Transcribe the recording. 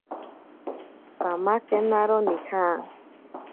Pamakenaro nija.